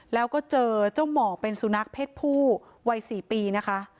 แล้วก็เจอเจ้าหมอกเป็นสุนัขเพศผู้วัย๔ปีนะคะ